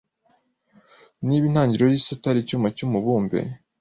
Niba intangiriro yisi itari icyuma cyumubumbe